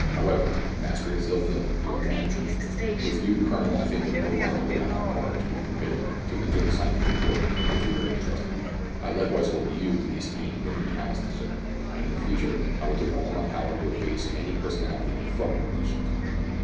However, mastering his ill feeling, he replied, —" With you, Colonel, I think that no rivalry on our part should be permitted to injure the scientific work with which we are entrusted. I likewise hold you in the esteem that your talents deserve, and in future I will do all in my power to efface any personality from our relations.